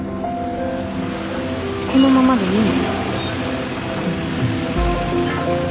このままでいいの？